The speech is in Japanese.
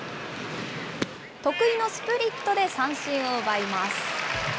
得意のスプリットで三振を奪います。